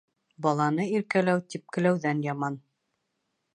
Баланы иркәләү типкеләүҙән яман.